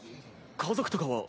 家族とかは？